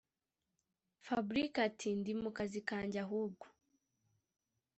fabric ati”ndi mukazi kajye ahubwo